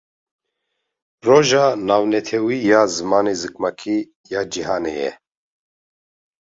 Roja Navneteweyî ya Zimanê Zikmakî Ya Cîhanê ye.